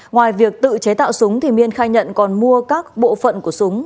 ngoài việc tự chế tạo súng miên khai nhận còn mua các bộ phận của súng